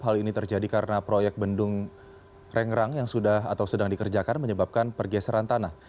hal ini terjadi karena proyek bendung rengrang yang sudah atau sedang dikerjakan menyebabkan pergeseran tanah